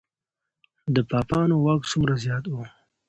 د پاپانو واک څومره زیات و؟